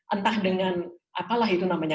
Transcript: entah dengan apalah itu namanya